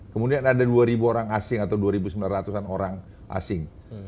kemudian ada dua orang asing atau dua sembilan ratus an orang asing